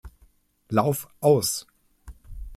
Lauf aus.